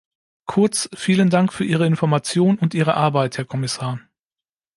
Kurz, vielen Dank für Ihre Information und Ihre Arbeit, Herr Kommissar.